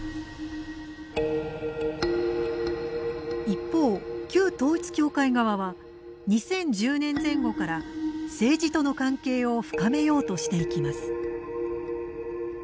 一方、旧統一教会側は２０１０年前後から政治との関係を深めようとしていきます。